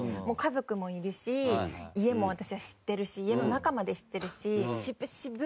もう家族もいるし家も私は知ってるし家の中まで知ってるし。